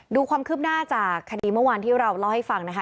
ดูความคืบหน้าจากคดีเมื่อวานที่เราเล่าให้ฟังนะคะ